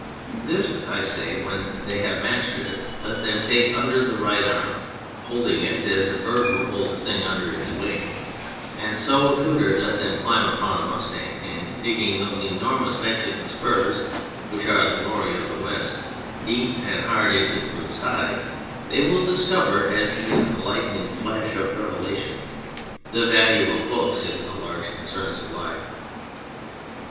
This, I say, when 16 On No Book they have mastered it, let them take under the right arm, holding it as a bird would hold a thing under its wing, and so accoutred let them climb upon a mustang, and digging those enormous Mexican spurs which are the glory of the West deep and hard into the brute's hide, they will discover as in a lightning flash of revelation the value of books in the large concerns of life.